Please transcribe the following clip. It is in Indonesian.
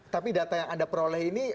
tapi data yang anda peroleh ini